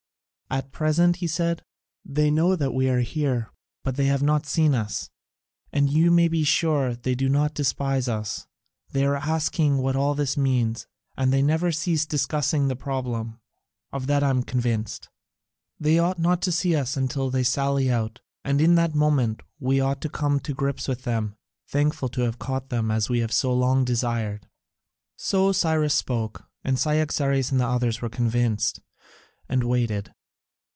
At present," he added, "they know that we are here, but they have not seen us, and you may be sure they do not despise us; they are asking what all this means, and they never cease discussing the problem; of that I am convinced. They ought not to see us until they sally out, and in that moment we ought to come to grips with them, thankful to have caught them as we have so long desired." So Cyrus spoke, and Cyaxares and the others were convinced, and waited.